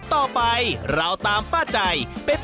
ต่อไปเราตามป้าใจไป